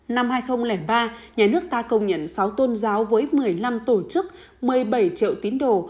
năm hai nghìn ba nhà nước ta công nhận sáu tôn giáo với một mươi năm tổ chức một mươi bảy triệu tín đồ